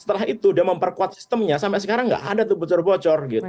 setelah itu dia memperkuat sistemnya sampai sekarang nggak ada tuh bocor bocor gitu